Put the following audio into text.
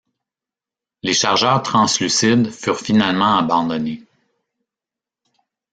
Les chargeurs translucides furent finalement abandonnés.